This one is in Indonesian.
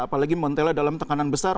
apalagi montella dalam tekanan besar